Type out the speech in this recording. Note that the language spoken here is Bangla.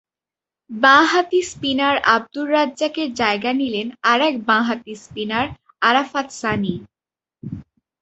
বাঁহাতি স্পিনার আবদুর রাজ্জাকের জায়গা নিলেন আরেক বাঁহাতি স্পিনার আরাফাত সানি।